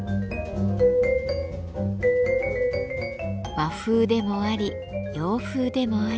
和風でもあり洋風でもあり。